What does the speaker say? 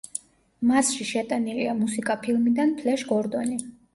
მასში შეტანილია მუსიკა ფილმიდან „ფლეშ გორდონი“.